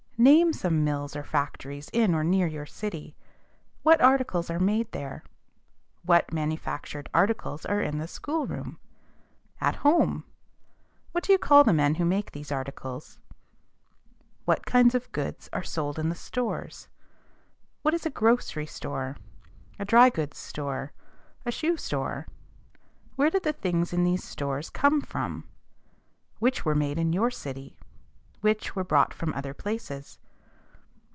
Name some mills or factories in or near your city. What articles are made there? What manufactured articles are in the schoolroom? At home? What do you call the men who make these articles? What kinds of goods are sold in the stores? What is a grocery store? A dry goods store? A shoe store? Where did the things in these stores come from? Which were made in your city? Which were brought from other places?